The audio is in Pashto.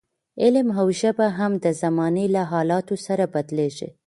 علم او ژبه هم د زمانې له حالاتو سره بدلېږي.